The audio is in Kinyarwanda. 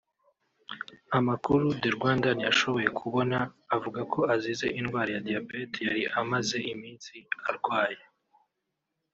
Amakuru The Rwandan yashoboye kubona avuga ko azize indwara ya Diabète yari amaze iminsi arwaye